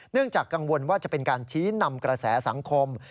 จากกังวลว่าจะเป็นการชี้นำกระแสสังคม